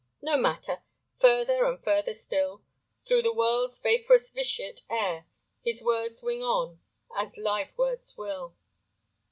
No matter. Further and further still Through the world's vaporous vitiate air His words wing on—as live words will.